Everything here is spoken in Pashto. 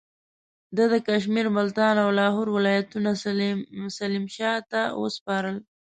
ده د کشمیر، ملتان او لاهور ولایتونه سلیم شاه ته وسپارل.